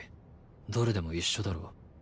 どれでも一緒だろ。